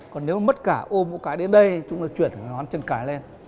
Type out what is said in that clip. còn nếu mất cả ôm một cái đến đây chúng tôi chuyển ngón chân cái lên